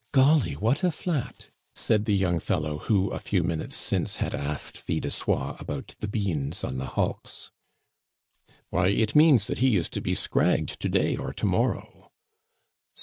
"Golly, what a flat!" said the young fellow, who, a few minutes since, had asked Fil de Soie about the beans on the hulks. "Why, it means that he is to be scragged to day or to morrow."